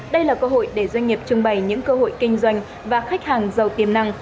đây là cơ hội để doanh nghiệp trưng bày những cơ hội kinh doanh và khách hàng giàu tiềm năng